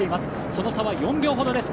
その差は４秒ほどです。